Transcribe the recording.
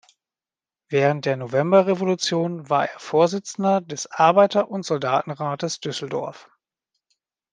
Während der Novemberrevolution war er Vorsitzender des Arbeiter- und Soldatenrates Düsseldorf.